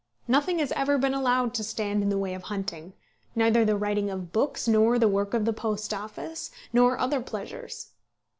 Nothing has ever been allowed to stand in the way of hunting, neither the writing of books, nor the work of the Post Office, nor other pleasures.